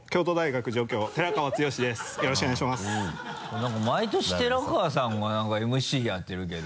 何か毎年寺川さんがＭＣやってるけど。